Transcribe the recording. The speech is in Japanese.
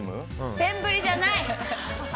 センブリじゃない！